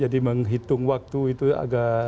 jadi menghitung waktu itu agak sering sering